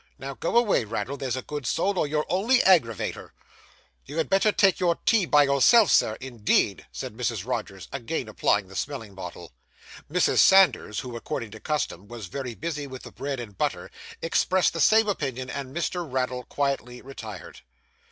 Now go away, Raddle, there's a good soul, or you'll only aggravate her.' 'You had better take your tea by yourself, Sir, indeed,' said Mrs. Rogers, again applying the smelling bottle. Mrs. Sanders, who, according to custom, was very busy with the bread and butter, expressed the same opinion, and Mr. Raddle quietly retired.